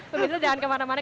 berbisa jangan kemana mana